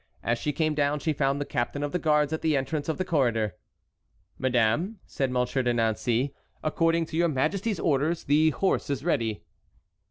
As she came down she found the captain of the guards at the entrance of the corridor. "Madame," said Monsieur de Nancey, "according to your majesty's orders the horse is ready."